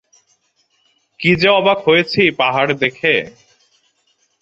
কী যে অবাক হয়েছি পাহাড় দেখে।